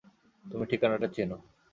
তুমি ঠিকানাটা চেনো।